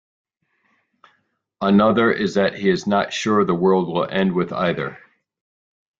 Another is that he is not sure the world will end with either.